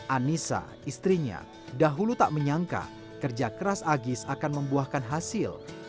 anissa istrinya dahulu tak menyangka kerja keras agis akan membuahkan hasil